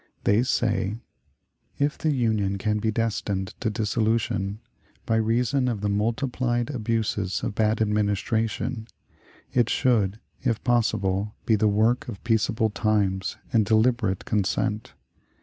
They say: "If the Union be destined to dissolution by reason of the multiplied abuses of bad administration, it should, if possible, be the work of peaceable times and deliberate consent.